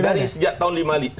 dari sejak tahun sembilan puluh lima